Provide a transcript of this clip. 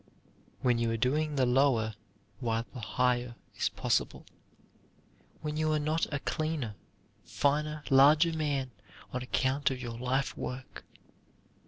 When you are doing the lower while the higher is possible. When you are not a cleaner, finer, larger man on account of your life work.